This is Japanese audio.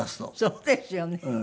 そうですよね。